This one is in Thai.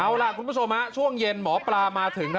เอาล่ะครูปทัชมะช่วงเย็นหมอปลามาถึงครับ